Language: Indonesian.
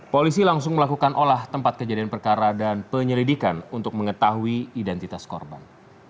polisi langsung melakukan olah tempat kejadian perkara dan penyelidikan untuk mengetahui identitas korban